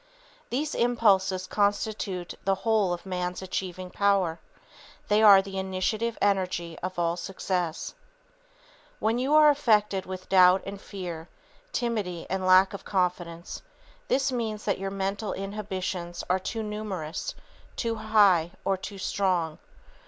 These impulses constitute the whole of man's achieving power. They are the Initiative Energy of all Success. [Sidenote: Importance of the Mental Setting] When you are afflicted with doubt and fear, timidity and lack of confidence, this means that your mental inhibitions are too numerous, too high or too strong.